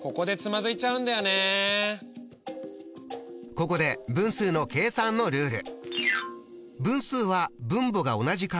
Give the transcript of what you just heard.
ここで分数の計算のルール。